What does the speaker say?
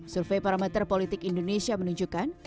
survei parameter politik indonesia menunjukkan